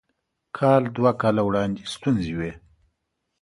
کال دوه کاله وړاندې ستونزې وې.